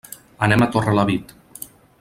Anem a Torrelavit.